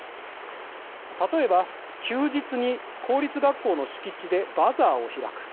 例えば、休日に公立学校の敷地でバザーを開く。